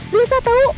lu bisa tau